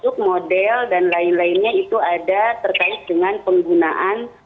untuk model dan lain lainnya itu ada terkait dengan penggunaan